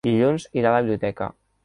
Dilluns irà a la biblioteca.